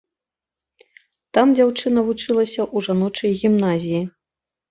Там дзяўчына вучылася ў жаночай гімназіі.